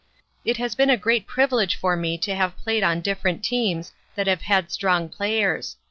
"It has been a great privilege for me to have played on different teams that have had strong players.